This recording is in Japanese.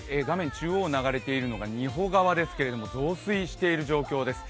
中央を流れているのが仁保川ですけど増水している状況です。